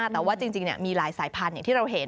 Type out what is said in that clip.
แต่ว่าจริงมีหลายสายพันธุ์อย่างที่เราเห็น